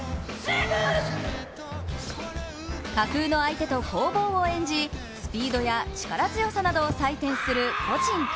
架空の相手と攻防を演じスピードや力強さを採点される空手・形。